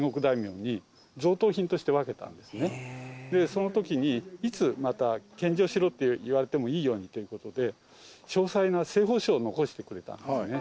その時にいつまた献上しろって言われてもいいようにという事で詳細な製法書を残してくれたんですね。